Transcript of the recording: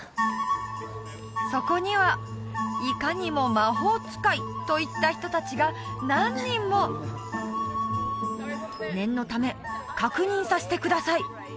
そこにはいかにも魔法使いといった人達が何人も念のため確認させてください